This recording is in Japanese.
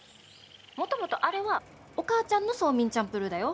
もともとあれはお母ちゃんのソーミンチャンプルーだよ。